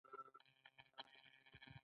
متل: ناکامي د بریا راز دی.